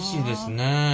ねえ。